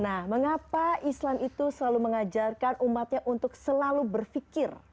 nah mengapa islam itu selalu mengajarkan umatnya untuk selalu berpikir